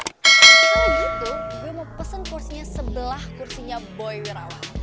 kalau gitu gue mau pesen kursinya sebelah kursinya boy wirawan